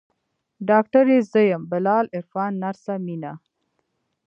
ډاکتر يې زه يم بلال عرفان نرسه مينه.